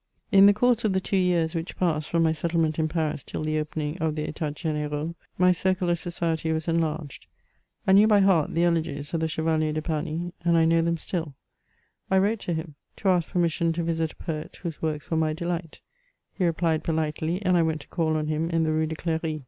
In the coiurse of the two years which passed from my settlement in Paris till the opening of the Etats Gdn^raux, my circle of society was enlarged. I knew by heart the CHATEAUBRIAND. 181 elegies of the Cbevalier de Pamy, find I know them still. I wrote to him to ask permission to visit a poet, whose works were my deHght ; he replied politely, and I went to call on him, in the Rue de Cl^ry.